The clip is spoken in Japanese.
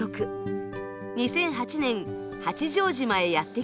２００８年八丈島へやって来ました。